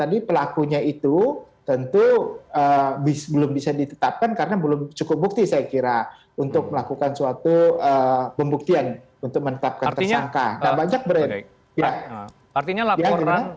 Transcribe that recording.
jadi pelakunya itu tentu belum bisa ditetapkan karena belum cukup bukti saya kira untuk melakukan suatu pembuktian untuk menetapkan tersangka